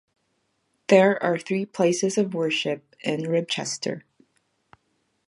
There are three places of worship in Ribchester.